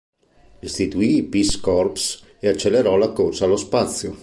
Istituì i Peace Corps e accelerò la corsa allo spazio.